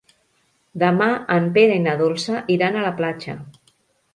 Demà en Pere i na Dolça iran a la platja.